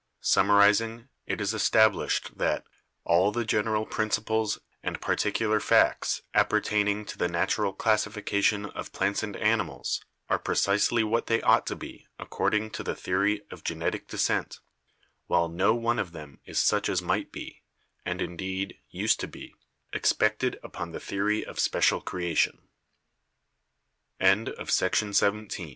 Summarizing, it is established that "all the general prin ciples and particular, facts appertaining to the natural classification of plants and animals are precisely what they ought to be according to the theory of genetic descent, while no one of them is such as might be — and, indeed, used to be — expected upon the theory of